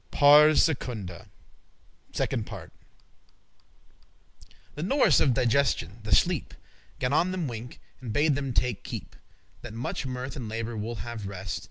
*Pars Secunda.* *Second Part* The norice* of digestion, the sleep, *nurse Gan on them wink, and bade them take keep,* *heed That muche mirth and labour will have rest.